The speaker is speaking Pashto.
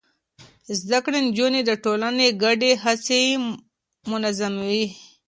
زده کړې نجونې د ټولنې ګډې هڅې منظموي.